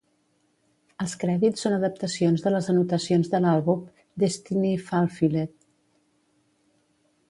Els crèdits són adaptacions de les anotacions de l'àlbum "Destiny Fulfilled".